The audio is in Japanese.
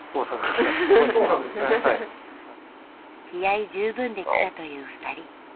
気合い十分で来たという２人。